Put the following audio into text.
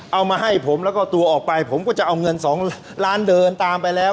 เอามาให้ผมแล้วก็ตัวออกไปผมก็จะเอาเงิน๒ล้านเดินตามไปแล้ว